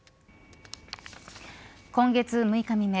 今月６日未明